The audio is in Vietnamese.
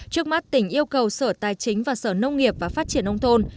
trước mắt tỉnh yêu cầu sở tài chính và sở nông nghiệp và phát triển nông thôn